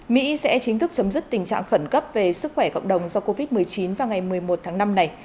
mỹ sẽ chính thức chấm dứt tình trạng khẩn cấp về sức khỏe cộng đồng do covid một mươi chín vào ngày một mươi một tháng năm này